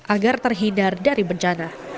agar terhindar dari bencana